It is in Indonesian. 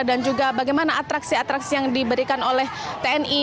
dan juga bagaimana atraksi atraksi yang diberikan oleh tni